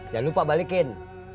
jangan lupa balikin